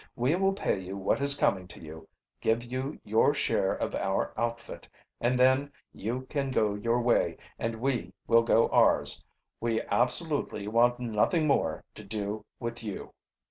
We will pay you what is coming to you, give you your share of our outfit, and then you can go your way and we will go ours. We absolutely want nothing more to do with you."